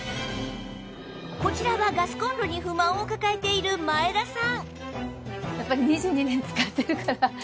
こちらはガスコンロに不満を抱えている前田さん